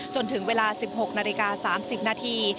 จนถึงเวลา๑๖นาฬิกา๓๐นาที